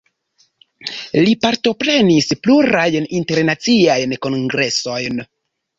Li partoprenis plurajn internaciajn kongresojn.